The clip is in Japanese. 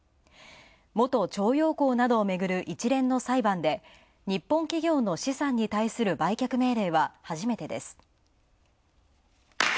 元徴用工をめぐる一連の裁判で、日本企業の資産に対する売却命令は初めてです。